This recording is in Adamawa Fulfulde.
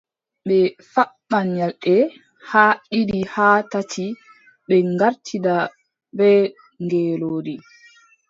Ɓe faɓɓa nyalɗe haa ɗiɗi haa tati, ɓe ngartida bee ngeelooɗi,